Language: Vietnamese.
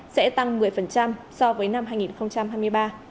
sẽ tăng một mươi so với năm hai nghìn hai mươi ba